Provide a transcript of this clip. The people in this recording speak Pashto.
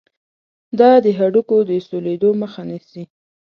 دا د هډوکو د سولیدلو مخه نیسي.